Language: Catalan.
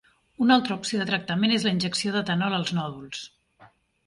Una altra opció de tractament és la injecció d'etanol als nòduls.